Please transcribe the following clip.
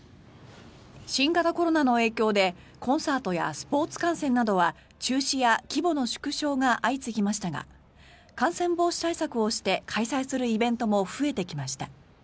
新型コロナの影響でコンサートやスポーツ観戦などは中止や規模の縮小が相次ぎましたが感染防止対策をして開催するイベントも増えてきました。